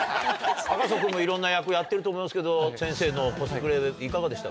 赤楚君もいろんな役やってると思いますけど先生のコスプレいかがでしたか？